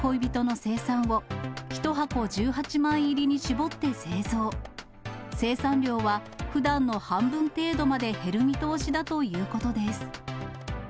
生産量はふだんの半分程度まで減る見通しだということです。